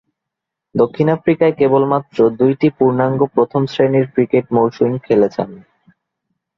দক্ষিণ আফ্রিকায় কেবলমাত্র দুইটি পূর্ণাঙ্গ প্রথম-শ্রেণীর ক্রিকেট মৌসুম খেলেছেন।